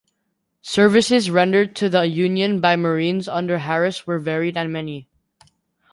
Services rendered to the Union by Marines under Harris were varied and many.